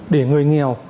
để người nghèo